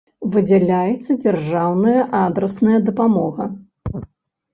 Выдзяляецца дзяржаўная адрасная дапамога.